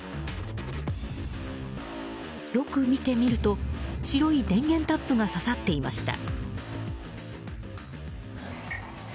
よく見てみると白い電源タップがささっていました。